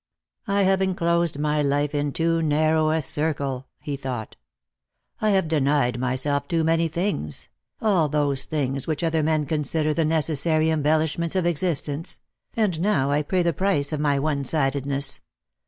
" I have enclosed my life in too narrow a circle," he thought ;" I have denied myself too many things — all those things which other men consider the necessary embellishments of existence — and now I pay the price of my onesidedness.